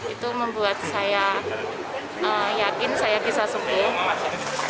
itu membuat saya yakin saya bisa sembuh